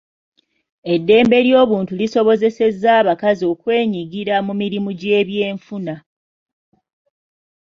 Eddembe ly'obuntu lisobozesezza abakazi okwenyigira mu mirimu gy'ebyenfuna.